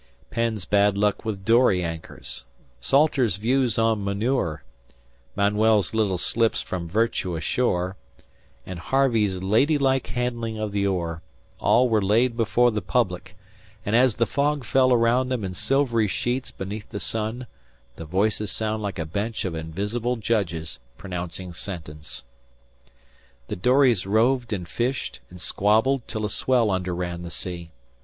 Penn's bad luck with dory anchors, Salter's views on manure, Manuel's little slips from virtue ashore, and Harvey's ladylike handling of the oar all were laid before the public; and as the fog fell around them in silvery sheets beneath the sun, the voices sounded like a bench of invisible judges pronouncing sentence. The dories roved and fished and squabbled till a swell underran the sea.